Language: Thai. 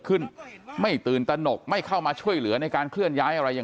ไม่ตื่นตนกไม่เข้ามาช่วยเหลือในการเคลื่อนย้ายอะไรอย่าง